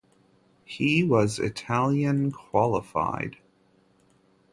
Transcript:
He was Italian qualified.